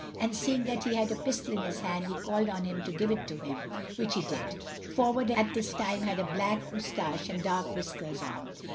and seeing that he had a pistol in his hand he called on him to give it him, which he did. Forward at this time had a black moustache and dark whiskers on.